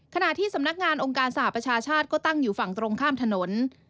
ขณะที่สำนักงานองค์การสหประชาชาติก็ตั้งอยู่ฝั่งตรงข้ามถนน